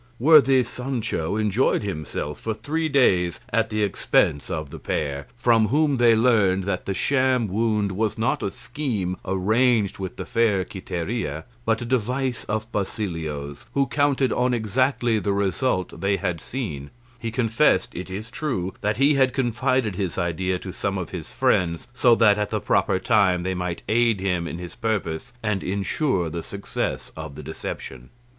Worthy Sancho enjoyed himself for three days at the expense of the pair, from whom they learned that the sham wound was not a scheme arranged with the fair Quiteria, but a device of Basilio's, who counted on exactly the result they had seen; he confessed, it is true, that he had confided his idea to some of his friends, so that at the proper time they might aid him in his purpose and insure the success of the deception.